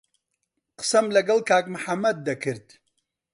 قسەم لەگەڵ کاک محەممەد دەکرد.